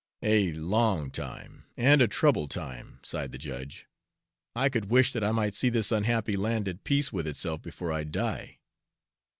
"A long time, and a troubled time," sighed the judge. "I could wish that I might see this unhappy land at peace with itself before I die.